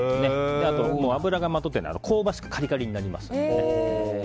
油がまとって香ばしくカリカリになります。